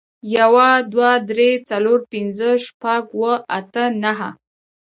يو، دوه، درې، څلور، پينځه، شپږ، اووه، اته، نهه